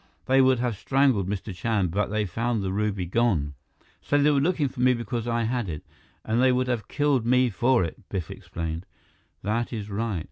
They would have strangled Mr. Chand, but they found the ruby gone " "So they were looking for me because I had it, and they would have killed me for it!" Biff explained. "That is right.